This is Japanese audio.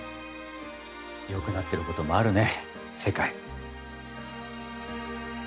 よくなってる事もあるね世界。